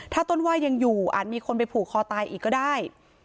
ถ้าต้นว่ายังอยู่อาจมีคนไปผูกคอตายอีกก็ได้